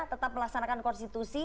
tetap melaksanakan konstitusi